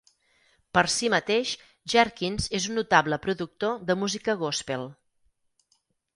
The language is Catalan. Per si mateix, Jerkins és un notable productor de música gospel.